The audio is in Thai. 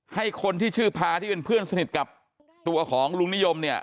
ให้คนที่ชื่อพาที่เป็นเพื่อนสนิทกับตัวของลุงนิยมเนี่ย